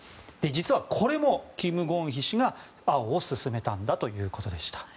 実はこれもキム・ゴンヒ氏が青を勧めたんだということでした。